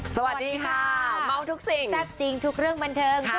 สวัสดีค่ะเมาทุกสิ่งแซ่บจริงทุกเรื่องบันเทิงค่ะ